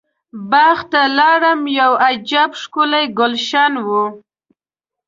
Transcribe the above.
باغ ته لاړم یو عجب ښکلی ګلشن و.